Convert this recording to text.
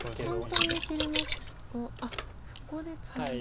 簡単に切れますがあっそこでツナギ。